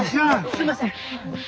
すいません。